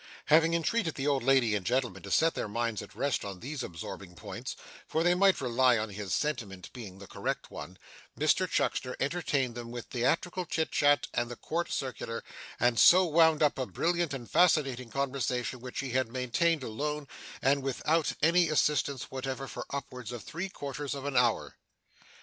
Having entreated the old lady and gentleman to set their minds at rest on these absorbing points, for they might rely on his statement being the correct one, Mr Chuckster entertained them with theatrical chit chat and the court circular; and so wound up a brilliant and fascinating conversation which he had maintained alone, and without any assistance whatever, for upwards of three quarters of an hour.